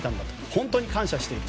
本当に感謝している。